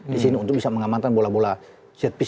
di sini untuk bisa mengamankan bola bola set piece